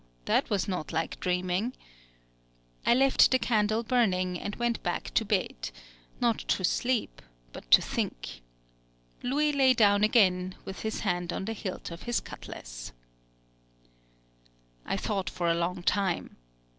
that was not like dreaming. I left the candle burning, and went back to bed not to sleep, but to think. Louis lay down again, with his hand on the hilt of his cutlass. I thought for a long time.